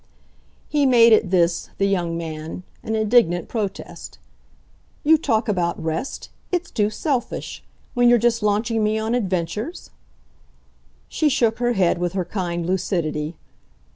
He made at this, the young man, an indignant protest. "You talk about rest it's too selfish! when you're just launching me on adventures?" She shook her head with her kind lucidity.